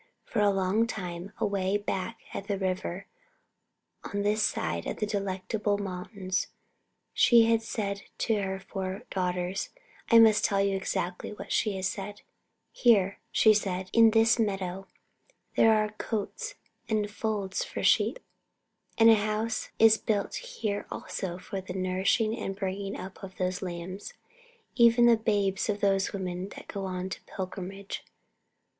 For long ago, away back at the river on this side the Delectable Mountains, she had said to her four daughters I must tell you exactly what she has said: "Here," she said, "in this meadow there are cotes and folds for sheep, and an house is built here also for the nourishing and bringing up of those lambs, even the babes of those women that go on pilgrimage.